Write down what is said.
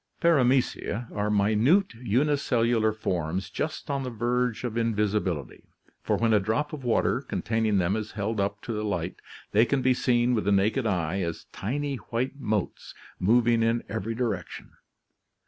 — Paramecia ' are minute unicellular forms just on the verge of invisibility, for when a drop of water containing them is held up to the light, they can be seen with the naked eye as tiny white motes moving in every di rection.